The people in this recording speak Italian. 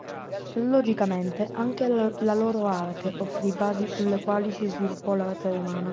Logicamente anche la loro arte offrì basi sulle quali si sviluppò l'arte romana.